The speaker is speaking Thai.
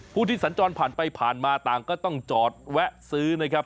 ผู้ที่สัญจรผ่านไปผ่านมาต่างก็ต้องจอดแวะซื้อนะครับ